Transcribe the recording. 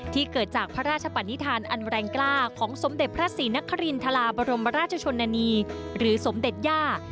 เกิดจากพระราชปนิษฐานอันแรงกล้าของสมเด็จพระศรีนครินทราบรมราชชนนานีหรือสมเด็จย่า